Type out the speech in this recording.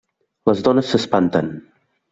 Les dones s'espanten.